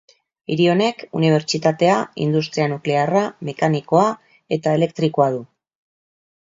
Hiri honek Unibertsitatea, industria nuklearra, mekanikoa eta elektrikoa du.